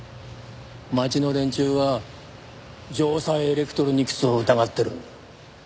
町の連中は城西エレクトロニクスを疑ってるんだ。